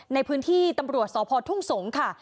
ในพื้นที่ตำรวจสพทุ่งสงศ์ค่ะ